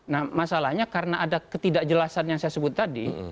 nah masalahnya karena ada ketidakjelasan yang saya sebut tadi